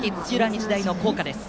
日大の校歌です。